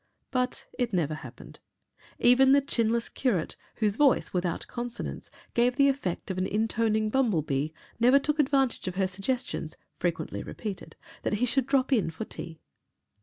But it never happened. Even the chinless curate, whose voice without consonants gave the effect of an intoning bumble bee, never took advantage of her suggestions (frequently repeated) that he should drop in to tea.